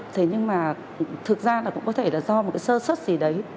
thế nhưng mà thực ra là cũng có thể là do một cái sơ xuất gì đấy